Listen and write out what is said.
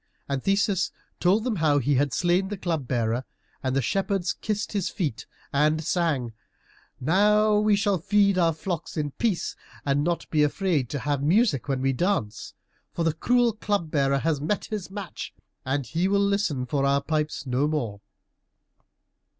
And Theseus told them how he had slain the Club bearer, and the shepherds kissed his feet and sang, "Now we shall feed our flocks in peace, and not be afraid to have music when we dance. For the cruel Club bearer has met his match, and he will listen for our pipes no more."